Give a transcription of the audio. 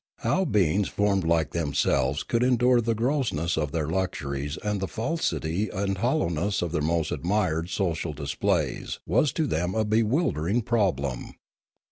How beings formed like themselves could endure the grossness of their luxuries and the falsity and hollowness of their most admired social dis plays was to them a bewildering problem.